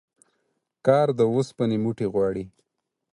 کار د اوسپني موټي غواړي